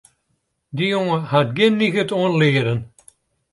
Dy jonge hat gjin niget oan learen.